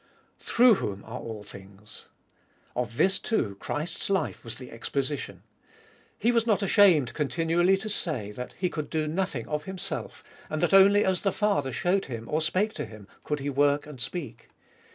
Through whom are all things. Of this too Christ's life was the exposition. He was not ashamed continually to say that He could do nothing of Himself, and that only as the Father showed Him or spake to Him, could He work and speak.